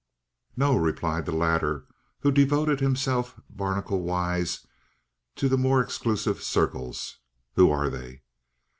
"No," replied the latter, who devoted himself barnacle wise to the more exclusive circles. "Who are they?"